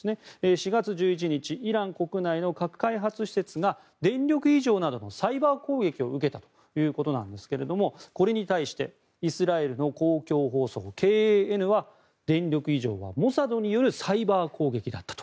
４月１１日イラン国内の核開発施設が電力異常などのサイバー攻撃を受けたということなんですがこれに対してイスラエルの公共放送ＫＡＮは電力異常はモサドによるサイバー攻撃だったと。